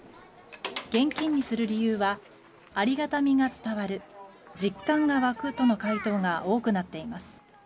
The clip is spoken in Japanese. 現金にする理由はありがたみが伝わる実感が湧くとの回答が多くなっています。